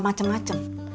mereka emang makan di rumah